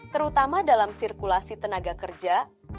terutama dalam sirkulasi tenaga kerja